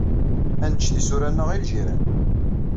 Ad nejj tisura-nneɣ i ljiran.